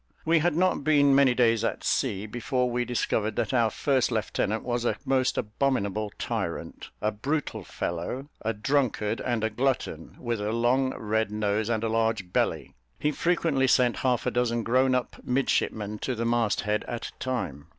We had not been many days at sea, before we discovered that our first lieutenant was a most abominable tyrant, a brutal fellow, a drunkard, and a glutton, with a long red nose, and a large belly; he frequently sent half a dozen grown up midshipmen to the mast head at a time.